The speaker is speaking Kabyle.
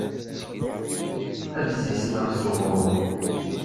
Ad sisneɣ s uɣṛum.